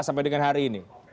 sampai dengan hari ini